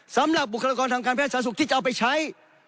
สำหรับบุคลากรทางการแพทย์สาธารณสุขที่จะเอาไปใช้